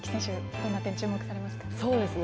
どんな点、注目されますか。